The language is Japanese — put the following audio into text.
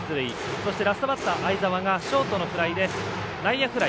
そしてラストバッター相澤がショートのフライで内野フライ。